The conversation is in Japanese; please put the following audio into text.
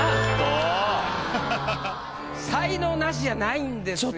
才能ナシじゃないんですよ。